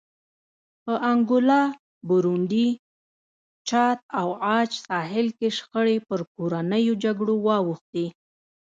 په انګولا، برونډي، چاد او عاج ساحل کې شخړې پر کورنیو جګړو واوښتې.